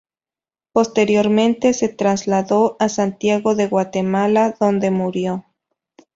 Posteriormente se trasladó a Santiago de Guatemala, donde murió.